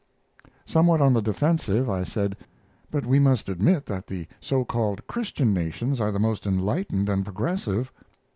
Somewhat on the defensive I said, "But we must admit that the so called Christian nations are the most enlightened and progressive."